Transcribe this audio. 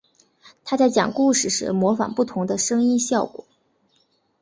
他在讲故事时模仿不同的声音效果。